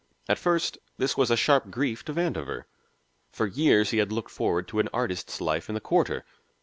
At first this was a sharp grief to Vandover; for years he had looked forward to an artist's life in the Quarter.